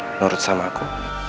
menurut sama aku